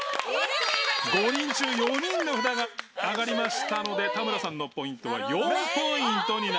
５人中４人の札が上がりましたので田村さんのポイントは４ポイントになります。